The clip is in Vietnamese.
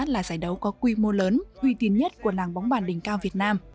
là giải đấu có quy mô lớn huy tiên nhất của làng bóng bàn đỉnh cao việt nam